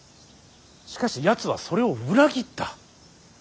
しかしやつはそれを裏切った。